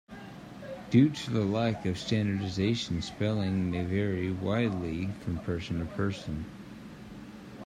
Due to the lack of standardisation, spelling may vary widely from person to person.